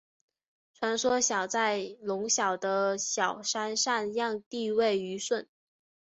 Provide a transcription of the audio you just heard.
传说尧在隆尧的尧山禅让帝位予舜。